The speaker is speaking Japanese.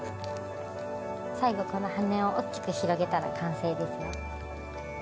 最後この羽を大きく広げたら完成です。